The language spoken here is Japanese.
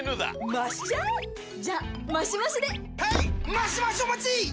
マシマシお待ちっ！！